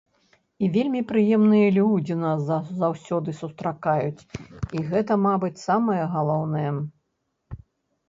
І вельмі прыемныя людзі нас заўсёды сустракаюць, і гэта, мабыць, самае галоўнае.